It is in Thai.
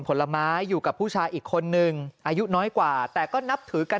ผลไม้อยู่กับผู้ชายอีกคนนึงอายุน้อยกว่าแต่ก็นับถือกัน